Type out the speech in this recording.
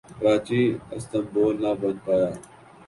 Karachi Istanbul نہ بن پایا